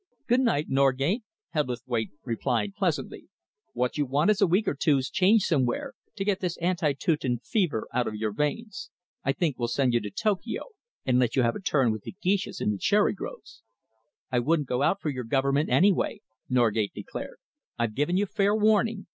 "Good night, Norgate," Hebblethwaite replied pleasantly. "What you want is a week or two's change somewhere, to get this anti Teuton fever out of your veins. I think we'll send you to Tokyo and let you have a turn with the geishas in the cherry groves." "I wouldn't go out for your Government, anyway," Norgate declared. "I've given you fair warning.